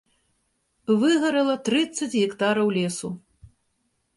Выгарала трыццаць гектараў лесу.